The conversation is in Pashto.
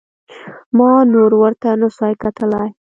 ما نور ورته نسو کتلاى.